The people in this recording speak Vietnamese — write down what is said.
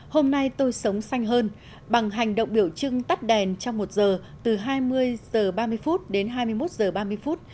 hôm nay tôi sống xanh hơn bằng hành động biểu trưng tắt đèn trong một giờ từ hai mươi h ba mươi phút đến hai mươi một h ba mươi phút